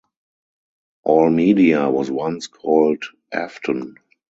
Almedia was once called Afton.